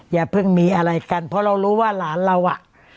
อย่าเพิ่งมีอะไรกันเพราะเรารู้ว่าหลานเราอ่ะ